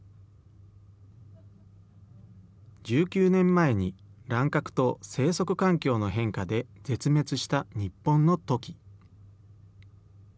１９年前に、乱獲と生息環境の変化で絶滅した日本のトキ。